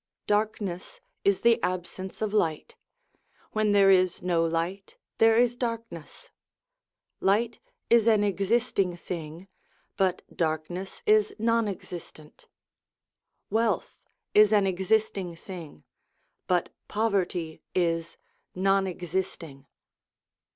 Darkness is the absence of light : when there is no light, there is darkness. Light is an existing thing, but darkness is non existent. Wealth is an existing thing, but poverty is non existing.